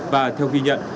và theo ghi nhận